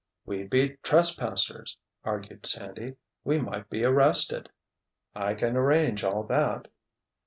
"We'd be trespassers," argued Sandy. "We might be arrested." "I can arrange all that."